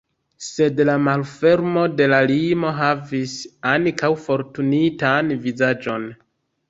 Sed la malfermo de la limo havis ankaŭ forturnitan vizaĝon.